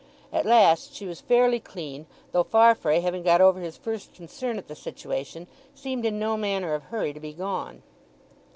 At last she was fairly clean, though Farfrae, having got over his first concern at the situation, seemed in no manner of hurry to be gone.